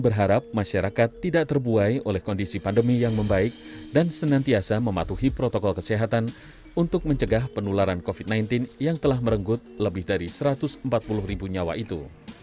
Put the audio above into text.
berharap masyarakat tidak terbuai oleh kondisi pandemi yang membaik dan senantiasa mematuhi protokol kesehatan untuk mencegah penularan covid sembilan belas yang telah merenggut lebih dari satu ratus empat puluh ribu nyawa itu